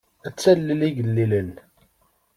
Ad talel igellilen.